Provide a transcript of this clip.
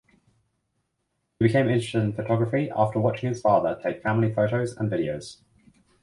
He became interested in photography after watching his father take family photos and videos.